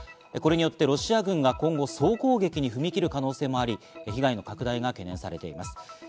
これによってロシア軍が今後、総攻撃に踏み切る可能性もあり被害の拡大が懸念されています。